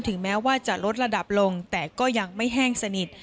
แม้ว่าจะลดระดับลงแต่ก็ยังไม่แห้งสนิท